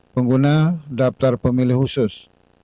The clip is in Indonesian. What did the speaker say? pengguna daftar pemilih khusus